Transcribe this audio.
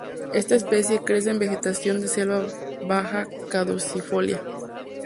Esta especie crece en vegetación de selva baja caducifolia.